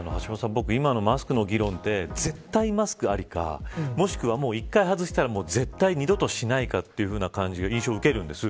僕、今のマスクの議論って絶対マスクありかもしくは、１回外したら絶対二度としないかというふうな感じの印象を受けるんです。